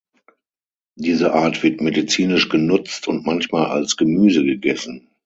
Diese Art wird medizinisch genutzt und manchmal als Gemüse gegessen.